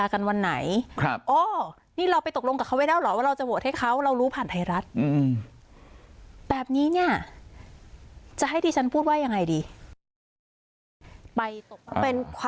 เป็นความรักแบบใหม่แบบทรัพย์สับสนตอนนี้นะคะ